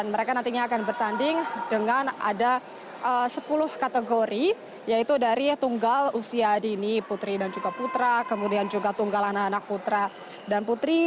mereka nantinya akan bertanding dengan ada sepuluh kategori yaitu dari tunggal usia dini putri dan juga putra kemudian juga tunggal anak anak putra dan putri